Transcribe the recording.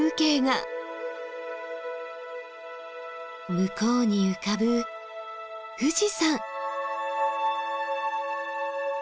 向こうに浮かぶ富士山！